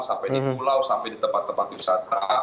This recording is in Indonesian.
sampai di pulau sampai di tempat tempat wisata